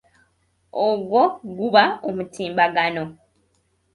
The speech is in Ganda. Ogwo guba omutimbagano.